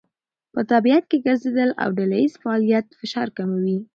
په طبیعت کې ګرځېدل او ډلهییز فعالیت فشار کموي.